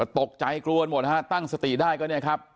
ตกใจกลัวกันหมดฮะตั้งสติได้ก็เนี่ยครับ